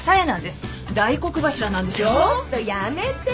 ちょっとやめて。